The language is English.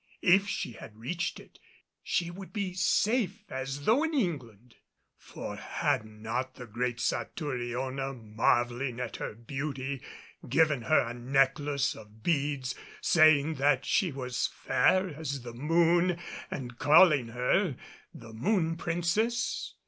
If she had reached it, she would be safe as though in England. For had not the great Satouriona, marveling at her beauty, given her a necklace of beads, saying that she was fair as the moon and calling her the "Moon Princess"?